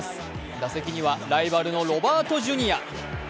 打席にはライバルのロバートＪｒ。